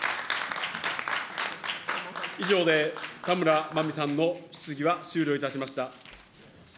以上で田村まみさんの質疑は終了いたしました。